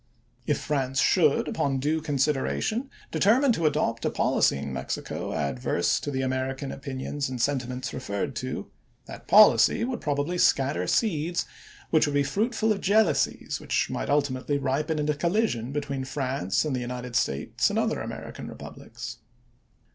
If France should, upon due consideration, determine to adopt a policy in Mexico adverse to the American opinions and sentiments referred to, that policy would probably scatter seeds which would be fruitful of jealousies which might ultimately ripen into collision between France and the United States and other American republics.